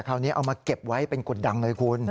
คราวนี้เอามาเก็บไว้เป็นกฎดังเลยคุณ